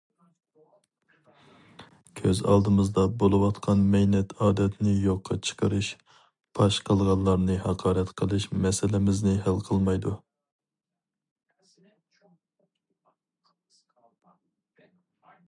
كۆز ئالدىمىزدا بولۇۋاتقان مەينەت ئادەتنى يوققا چىقىرىش، پاش قىلغانلارنى ھاقارەت قىلىش مەسىلىمىزنى ھەل قىلمايدۇ.